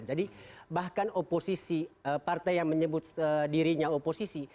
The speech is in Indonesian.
jadi bahkan oposisi partai yang menyebut dirinya oposisi